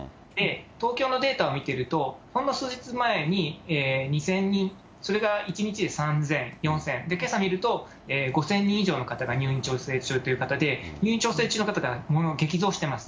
東京のデータを見てると、ほんの数日前に２０００人、それが１日で３０００、４０００、けさ見ると、５０００人以上の方が入院調整中という方で、入院調整中の方が激増しています。